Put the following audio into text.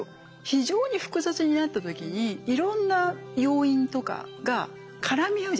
非常に複雑になった時にいろんな要因とかが絡み合うじゃないですか。